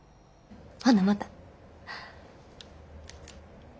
ほなまた。